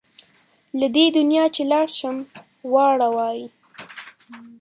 له دې دنیا چې لاړ شم واړه وایي.